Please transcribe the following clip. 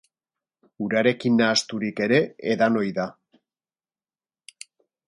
Urarekin nahasturik ere edan ohi da.